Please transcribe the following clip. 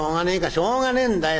「しょうがねえんだよ。